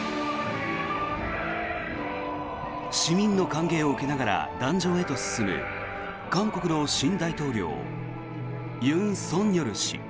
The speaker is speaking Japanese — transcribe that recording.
市民の歓迎を受けながら壇上へと進む韓国の新大統領、尹錫悦氏。